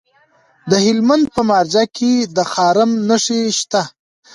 د هلمند په مارجه کې د رخام نښې شته.